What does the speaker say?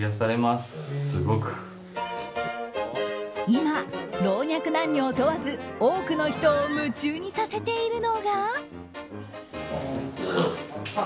今、老若男女を問わず多くの人を夢中にさせているのが。